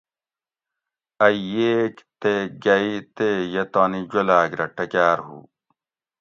ائ ییگ تے گئ تے یہ تانی جولاۤگ رہ ٹکاۤر ہُو